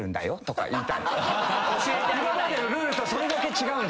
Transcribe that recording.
「今までのルールとそれだけ違うんだよ」